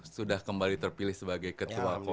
sudah kembali terpilih sebagai ketua